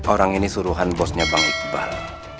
orang ini suruhan bosnya bang iqbal